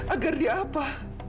agar dia apa